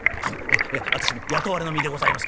私も雇われの身でございます。